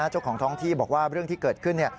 เจ้าของท้องที่บอกว่าเรื่องที่เกิดขึ้น